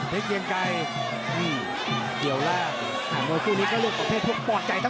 เพชรเกียงไก